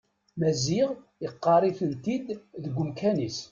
Maziɣ yeqqar-iten-id deg umkan-is.